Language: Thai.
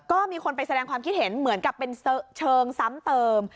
ก็มีคนไปแสดงความคิดเห็นเหมือนกับเป็นเชิงซ้ำเติม